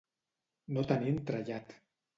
No tenir entrellat.